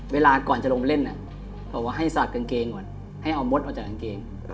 เวลาก่อนจะลงเล่นบอกว่าให้สลัดกางเกงก่อนให้เอามดออกจากกางเกง